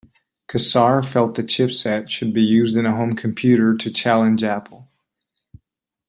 Kassar felt the chipset should be used in a home computer to challenge Apple.